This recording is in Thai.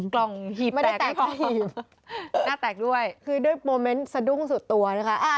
กล่องหีบแตกไม่พอหน้าแตกด้วยคือด้วยโปรเมนต์สดุ้งสุดตัวนะคะ